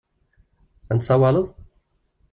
Ad n-tsawaleḍ?